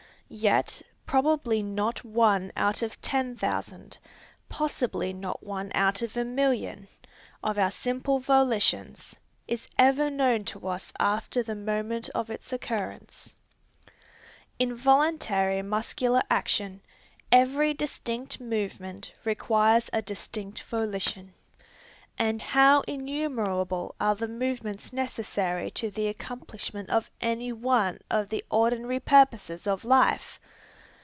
Yet probably not one out of ten thousand, possibly not one out of a million, of our simple volitions, is ever known to us after the moment of its occurrence. In voluntary muscular action, every distinct movement requires a distinct volition. And how innumerable are the movements necessary to the accomplishment of any one of the ordinary purposes of life!